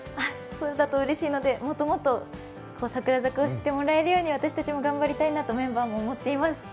そうだとうれしいのでもっともっと櫻坂を知ってもらえるように私たちも頑張りたいなとメンバーも思います。